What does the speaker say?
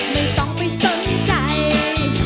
ไม่ต้องไปแคลแล้ว